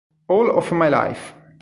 All of My Life